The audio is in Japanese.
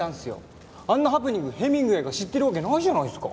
あんなハプニングヘミングウェイが知ってるわけないじゃないっすか。